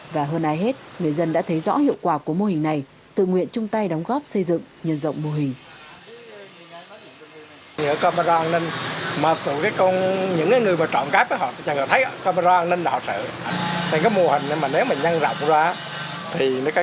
và hơn ai hết người dân đã thấy rõ hiệu quả của mô hình này tự nguyện chung tay đóng góp xây dựng nhân rộng mô hình